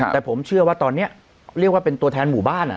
แต่ผมเชื่อว่าตอนนี้เรียกว่าเป็นตัวแทนหมู่บ้าน